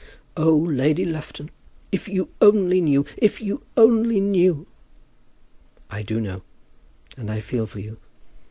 "Oh, Lady Lufton! if you only knew! If you only knew!" "I do know; and I feel for you.